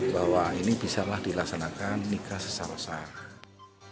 bahwa ini bisa dilaksanakan nikah sesama sama